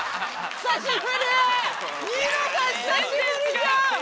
久しぶりじゃん！